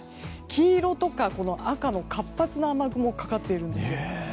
黄色や赤の活発な雨雲がかかっているんです。